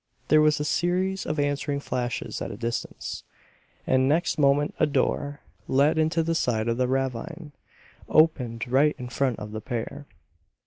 There was a series of answering flashes at a distance; and next moment a door, let into the side of the ravine, opened right in front of the pair.